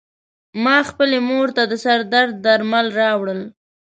ما خپلې مور ته د سر درد درمل راوړل .